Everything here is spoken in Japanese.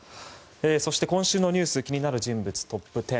そして今週の気になる人物トップ１０。